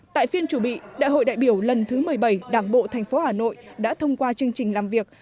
tại phiên chủ bị đại hội đại biểu lần thứ một mươi bảy đảng bộ tp hà nội đã thông qua chương trình làm việc